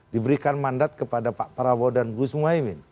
diberikan mandat kepada pak prabowo dan gus muhaymin